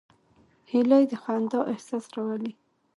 هیلۍ د خندا احساس راولي